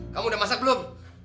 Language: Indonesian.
kamu udah masak belum